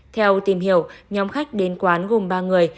theo tìm hiểu nhóm khách đến quán gồm ba người